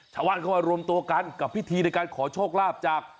ชาวบ้านเข้ามารวมตัวกันกับพิธีในการขอโชคลาภจาก